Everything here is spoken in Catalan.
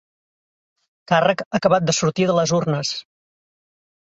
Càrrec acabat de sortir de les urnes.